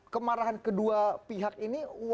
kemarahan kedua pihak ini